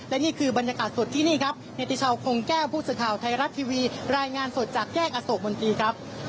และนี่คือบรรยากาศสดที่นี่ครับเนติชาวคงแก้วผู้สื่อข่าวไทยรัฐทีวีรายงานสดจากแยกอโศกมนตรีครับ